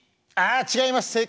あ違います。